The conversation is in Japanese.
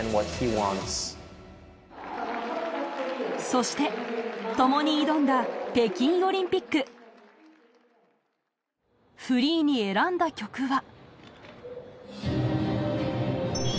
そして共に挑んだ北京オリンピックフリーに選んだ曲は